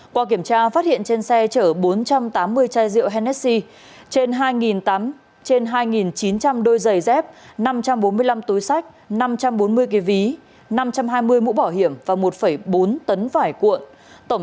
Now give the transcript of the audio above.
qua kiểm tra phát hiện trên xe chở bốn trăm tám mươi chai rượu hennessi trên hai trên hai chín trăm linh đôi giày dép năm trăm bốn mươi năm túi sách năm trăm bốn mươi kg ví năm trăm hai mươi mũ bảo hiểm và một bốn tấn vải cuộn